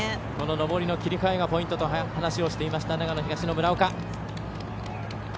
上りの切り替えがポイントと話をしていた長野東の村岡。